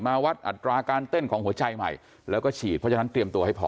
มาวัดอัตราการเต้นของหัวใจใหม่แล้วก็ฉีดเพราะฉะนั้นเตรียมตัวให้พอ